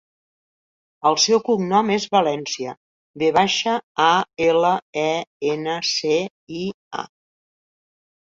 El seu cognom és Valencia: ve baixa, a, ela, e, ena, ce, i, a.